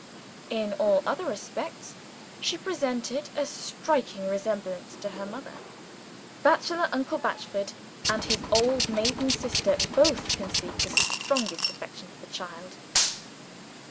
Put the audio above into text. In all other respects, she presented a striking resemblance to her mother. Bachelor uncle Batchford, and his old maiden sister, both conceived the strongest affection for the child.